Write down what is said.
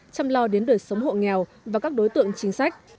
chăm lo đến đời sống hộ nghèo và các đối tượng chính sách